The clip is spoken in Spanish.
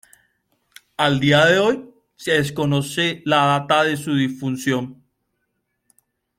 A día de hoy, se desconoce la data de su defunción.